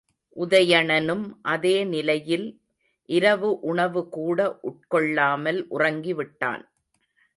உதயணனும் அதே நிலையில் இரவு உணவுகூட உட்கொள்ளாமல் உறங்கிவிட்டான்.